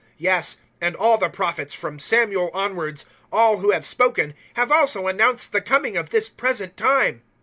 003:024 Yes, and all the Prophets, from Samuel onwards all who have spoken have also announced the coming of this present time.